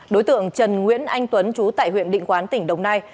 đối tượng trần nguyễn anh tuấn chú tại huyện định quán tỉnh đồng nai